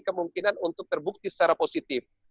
kemungkinan untuk terbukti secara positif